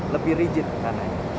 lebih rigid tanahnya